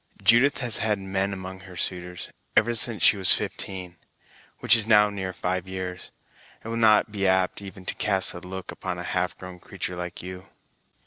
Judith has had men among her suitors, ever since she was fifteen; which is now near five years; and will not be apt even to cast a look upon a half grown creatur' like you!"